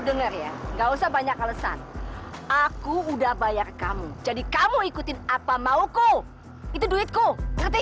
denger ya enggak usah banyak alesan aku udah bayar kamu jadi kamu ikutin apa mau ku itu duitku ngerti